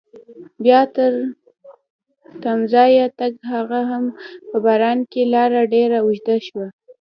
بیا تر تمځایه تګ هغه هم په باران کې لاره ډېره اوږده شوه.